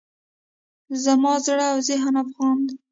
زما زړه او ذهن افغان دی.